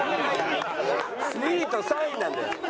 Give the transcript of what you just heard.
２位と３位なんで。